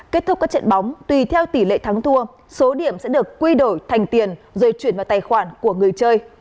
kết thúc các trận bóng tùy theo tỷ lệ thắng thua số điểm sẽ được quy đổi thành tiền rồi chuyển vào tài khoản của người chơi